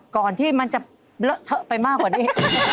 ก่อนที่มันจะเลอะเทอะไปมากกว่านี้